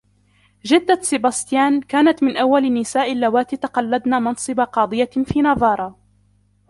جدة سيباستيان كانت من أول النساء اللواتي تقلدن منصب قاضية في نافارا.